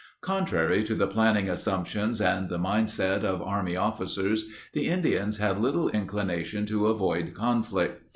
Contrary to the planning assumptions and the mindset of Army officers, the Indians had little inclination to avoid conflict.